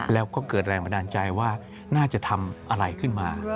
แล้วก็เกิดแรงบันดาลใจว่าน่าจะทำอะไรขึ้นมา